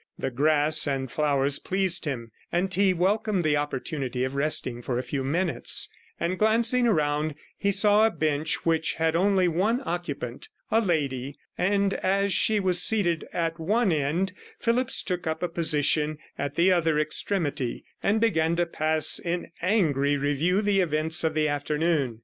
The grass and flowers pleased him, and he welcomed the opportunity of resting for a few minutes, and glancing round, he saw a bench which had only one occupant, a lady, and as she was seated at one end, Phillipps took up a position at the other extremity, and began to pass in angry review the events of the afternoon.